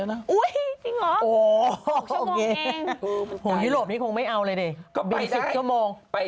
ถ้าไม่ทำงานมันตายน่าจะเที่ยวนะพี่